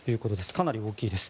かなり大きいです。